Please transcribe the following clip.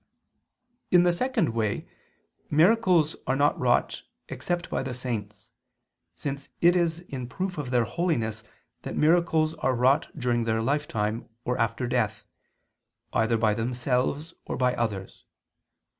In the second way miracles are not wrought except by the saints, since it is in proof of their holiness that miracles are wrought during their lifetime or after death, either by themselves or by others.